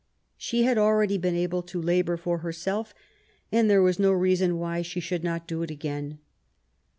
She had already been able to labour for herself, and there was no reason why she should not do it again.